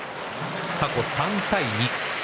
過去３対２。